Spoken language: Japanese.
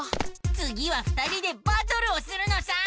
つぎは２人でバトルをするのさ！